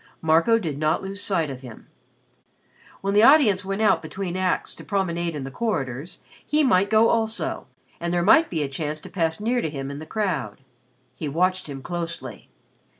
Marco did not lose sight of him. When the audience went out between acts to promenade in the corridors, he might go also and there might be a chance to pass near to him in the crowd. He watched him closely.